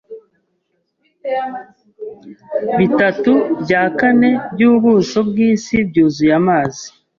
Bitatu bya kane byubuso bwisi byuzuye amazi.